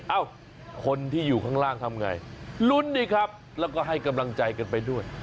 เอ้าคนที่อยู่ข้างล่างทำไงลุ้นดีครับแล้วก็ให้กำลังใจกันไปด้วย